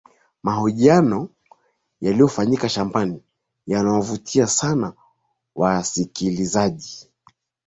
mahojiano yanayofanyika shambani yanawavutia sana wasikilizaji